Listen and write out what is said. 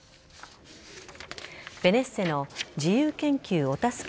ベネッセの自由研究お助け